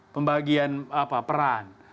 pembagian apa peran